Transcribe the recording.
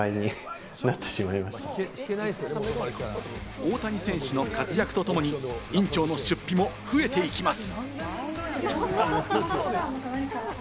大谷選手の活躍とともに院長の出費も増えていきます。